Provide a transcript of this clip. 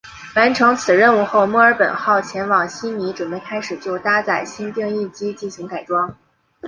完成此任务后墨尔本号前往悉尼准备开始就搭载新定翼机进行改装。